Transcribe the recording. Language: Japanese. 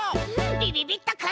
びびびっとくん。